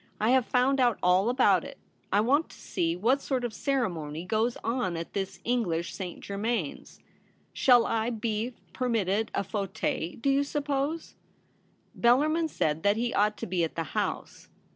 I have found out all about it. I want to see what sort of ceremony goes on at this English St. Ger mains. Shall I be permitted a fauteuil, do you suppose ?' Bellarmin said that he ought to be at the House.